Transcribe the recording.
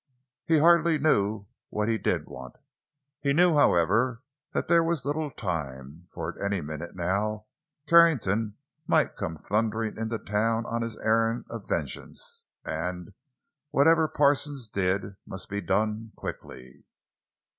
He hardly knew what he did want. He knew, however, that there was little time, for at any minute now Carrington might come thundering into town on his errand of vengeance; and whatever Parsons did must be done quickly.